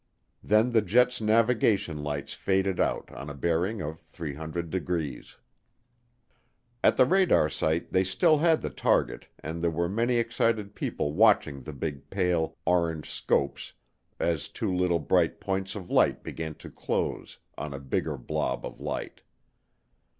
Then the jet's navigation lights faded out on a bearing of 300 degrees. At the radar site they still had the target and there were many excited people watching the big pale, orange scopes as two little bright points of light began to close on a bigger blob of light.